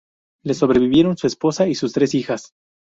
Le sobrevivieron su esposa y sus tres hijas.